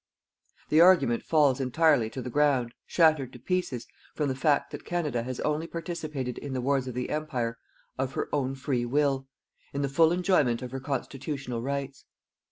The argument falls entirely to the ground, shattered to pieces, from the fact that Canada has only participated in the wars of the Empire of her own free will, in the full enjoyment of her constitutional rights.